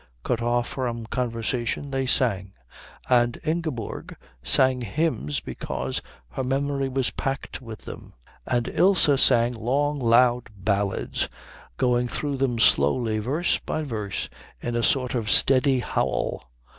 Cut off from conversation, they sang; and Ingeborg sang hymns because her memory was packed with them, and Ilse sang long loud ballads, going through them slowly verse by verse in a sort of steady howl.